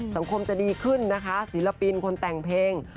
สังคมจะดีขึ้นนะคะศิลปินคนแต่งเพลง